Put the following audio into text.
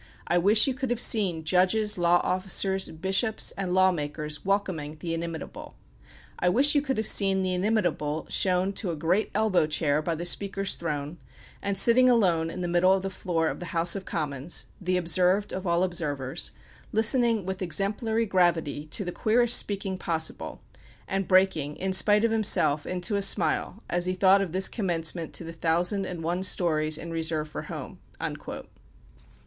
I wish you could have seen judges, law officers, bishops, and law makers welcoming the inimitable. I wish you could have seen the inimitable shown to a great elbow chair by the Speaker's throne, and sitting alone in the middle of the floor of the House of Commons, the observed of all observers, listening with exemplary gravity to the queerest speaking possible, and breaking, in spite of himself, into a smile as he thought of this commencement to the thousand and one stories in reserve for home."